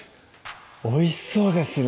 おいしそうですね